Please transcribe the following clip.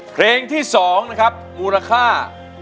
เพลงที่๒นะครับมูลค่า